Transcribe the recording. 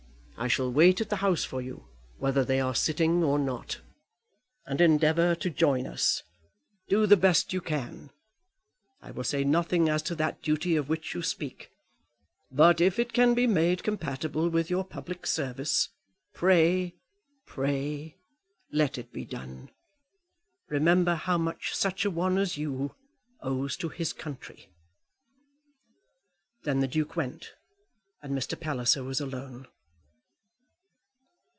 "I shall wait at the House for you, whether they are sitting or not. And endeavour to join us. Do the best you can. I will say nothing as to that duty of which you speak; but if it can be made compatible with your public service, pray pray let it be done. Remember how much such a one as you owes to his country." Then the Duke went, and Mr. Palliser was alone.